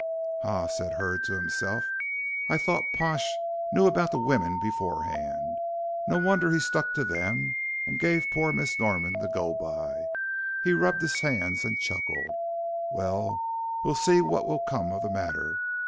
"Ha," said Hurd, to himself, "I thought Pash knew about the women beforehand. No wonder he stuck to them and gave poor Miss Norman the go bye," he rubbed his hands and chuckled. "Well, we'll see what will come of the matter.